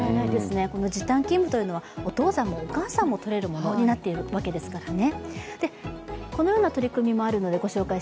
この時短勤務というのはお父さんもお母さんもとれるものとなっているんですね。